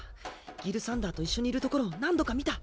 ギルサンダーと一緒にいるところを何度か見た。